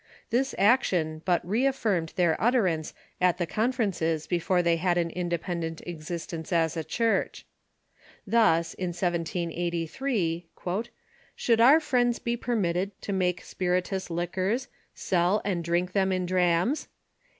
This action but reaffirmed their utterances at the con ferences before they had an independent existence as a Church. Thus, in 1VS3 : "Should our friends be permitted to make spirituous liquors, sell, and drink them in drams